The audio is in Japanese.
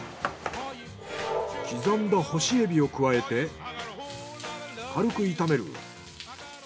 刻んだ干しエビを加えて軽く炒める。